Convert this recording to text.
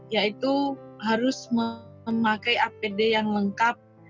yaitu harus memakai apd yang lengkap